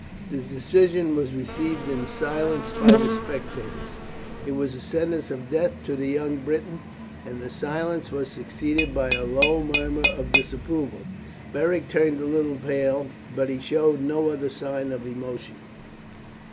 The decision was received in silence by the spectators. It was a sentence of death to the young Briton, and the silence was succeeded by a low murmur of disapproval. Beric turned a little pale, but he showed no other sign of emotion.